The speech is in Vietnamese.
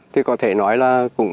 thì có thể nói là